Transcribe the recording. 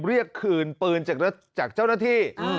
เรียกคืนปืนจากเจ้าหน้าที่